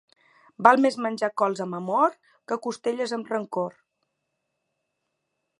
Val més menjar cols amb amor, que costelles amb rancor.